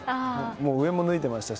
上も脱いでいましたし。